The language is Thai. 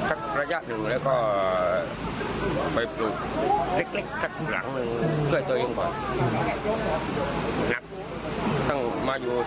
ไม่เคยเจอเลย